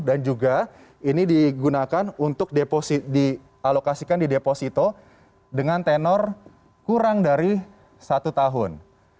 dan juga ini digunakan untuk di alokasikan di deposito dengan tenor kurang dari satu tahun